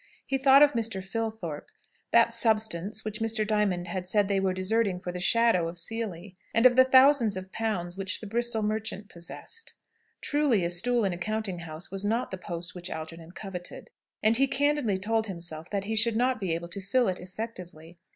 He thought of Mr. Filthorpe that substance, which Mr. Diamond had said they were deserting for the shadow of Seely and of the thousands of pounds which the Bristol merchant possessed. Truly a stool in a counting house was not the post which Algernon coveted. And he candidly told himself that he should not be able to fill it effectively.